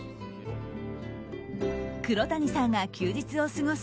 黒谷さんが休日を過ごす